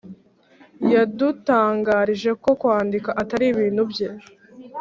yadutangarije ko kwandika atari ibintu bye